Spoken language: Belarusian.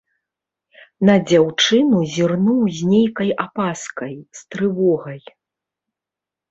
На дзяўчыну зірнуў з нейкай апаскай, з трывогай.